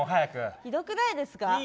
ひどくないですか？